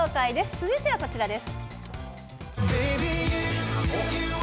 続いてはこちらです。